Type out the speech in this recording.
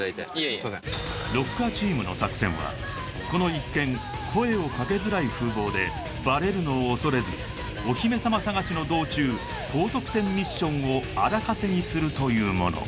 ロッカーチームの作戦はこの一見声をかけづらい風貌でバレるのを恐れずお姫様探しの道中高得点ミッションを荒稼ぎするというもの